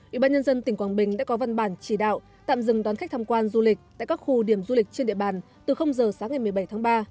ủy ban nhân dân tỉnh quảng bình đã có văn bản chỉ đạo tạm dừng đón khách tham quan du lịch tại các khu điểm du lịch trên địa bàn từ giờ sáng ngày một mươi bảy tháng ba